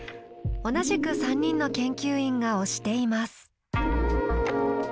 同じく３人の研究員が推しています。